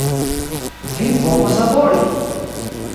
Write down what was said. Vi povas labori!